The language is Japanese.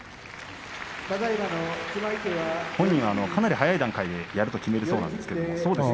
本人は早い段階でやると決めるそうです。